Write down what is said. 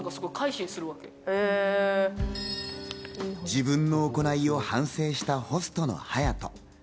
自分の行いを反省したホストのハヤト。